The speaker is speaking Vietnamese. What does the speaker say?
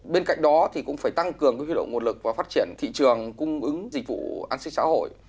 bên cạnh đó thì cũng phải tăng cường cái quy độc nguồn lực và phát triển thị trường cung ứng dịch vụ an sinh xã hội